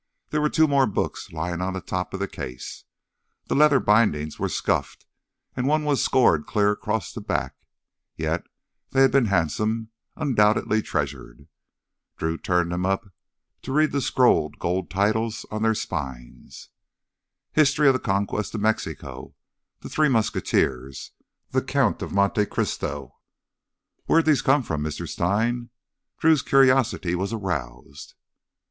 There were two more books lying on the top of the case. The leather bindings were scuffed and one was scored clear across the back, yet they had been handsome, undoubtedly treasured. Drew turned them up to read the scrolled gold titles on their spines. "History of the Conquest of Mexico, _The Three Musketeers,__ The Count of Monte Cristo_ ... Where'd these come from, Mister Stein?" Drew's curiosity was aroused.